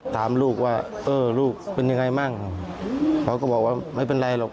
ถามลูกว่าเออลูกเป็นยังไงมั่งเขาก็บอกว่าไม่เป็นไรหรอก